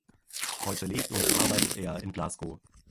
Heute lebt und arbeitet er in Glasgow.